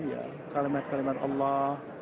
ya kalimat kalimat allah